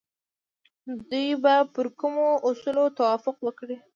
دوی به پر کومو اصولو توافق وکړي؟